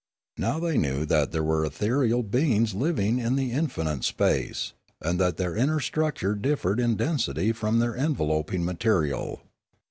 Now they knew that there were ethereal beings living in in finite space, and that their inner structure differed in density from their enveloping material.